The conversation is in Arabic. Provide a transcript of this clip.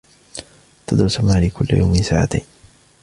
تدرس ماري كل يوم ساعتين.